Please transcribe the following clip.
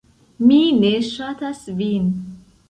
"Mi ne ŝatas vin."